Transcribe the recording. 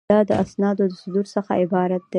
دا د اسنادو د صدور څخه عبارت دی.